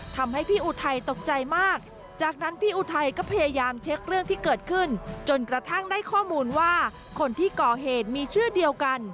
ทำให้พี่อุทัยตกใจมากจากนั้นพี่อุทัยก็พยายามเช็คเรื่องที่เกิดขึ้นจนกระทั่งได้ข้อมูลว่าคนที่ก่อเหตุมีชื่อเดียวกัน